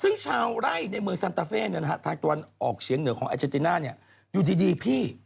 ซึ่งชาวไห้ในเมืองสันตเฟสนี่นะครับทางตอนออกเชียงเหนือของแอจติน่าอยู่ดีพี่